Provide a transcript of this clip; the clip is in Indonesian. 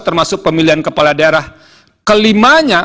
termasuk pemilihan kepala daerah kelimanya